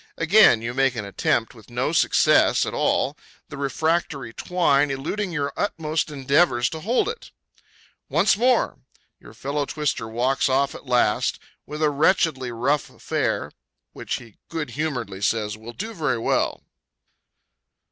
Again you make an attempt with no success at all, the refractory twine eluding your utmost endeavors to hold it. Once more! Your fellow twister walks off at last, with a wretchedly rough affair, which he good humoredly says "will do very well."